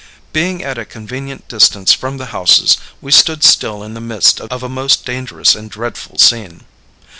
Being at a convenient distance from the houses, we stood still in the midst of a most dangerous and dreadful scene.